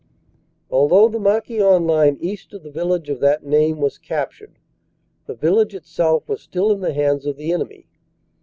"Although the Marquion line east of the village of that name was captured, the village itself was still in the hands of the enemy.